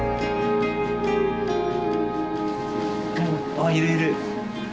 あいるいる。